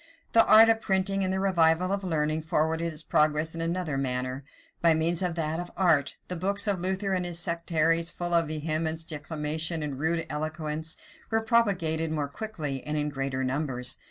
The art of printing and the revival of learning forwarded its progress in another manner. By means of that art, the books of Luther and his sectaries full of vehemence, declamation, and a rude eloquence, were propagated more quickly, and in greater numbers.